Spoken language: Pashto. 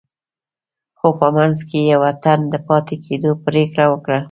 خو په منځ کې يې يوه تن د پاتې کېدو پرېکړه وکړه.